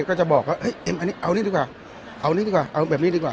ก็จะบอกเอมเอานี่ดีกว่าแบบนี้ดีกว่า